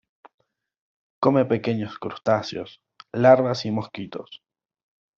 Come pequeños crustáceos, larvas y mosquitos.